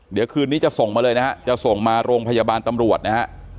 เดี๋ยวคืนนี้จะส่งมาเลยนะฮะจะส่งมาโรงพยาบาลตำรวจนะฮะ